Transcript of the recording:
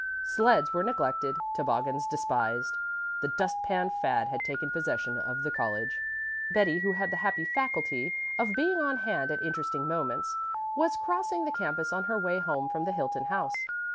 Sleds were neglected, toboggans despised; the dust pan fad had taken possession of the college. Betty, who had the happy faculty of being on hand at interesting moments, was crossing the campus on her way home from the Hilton House.